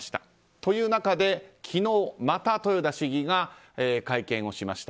という中で、昨日また豊田市議が会見をしました。